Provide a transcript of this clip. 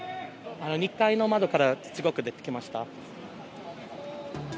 あの２階の窓から、すごく出てきました。